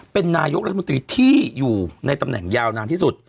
เป็นนายกรัฐมนตรีที่อยู่ในตำแหน่งยาวนานที่สุด